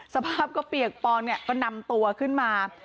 สภาพก็เปียกปองเนี่ยก็นำตัวขึ้นมา